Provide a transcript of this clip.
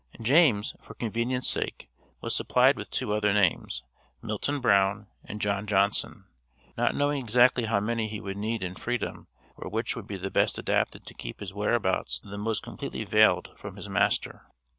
James, for convenience' sake, was supplied with two other names (Milton Brown and John Johnson), not knowing exactly how many he would need in freedom or which would be the best adapted to keep his whereabouts the most completely veiled from his master.